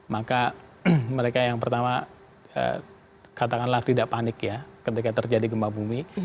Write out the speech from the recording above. maka mereka yang pertama katakanlah tidak panik ya ketika terjadi gempa bumi